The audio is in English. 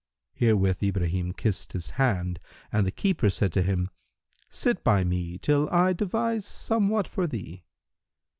Herewith Ibrahim kissed his hand and the keeper said to him, "Sit by me, till I devise somewhat for thee."